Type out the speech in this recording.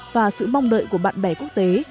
và sự mong đợi của bạn bè quốc tế